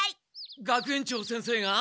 学園長先生が？